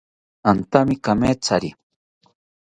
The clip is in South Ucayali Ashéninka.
Antami kamethari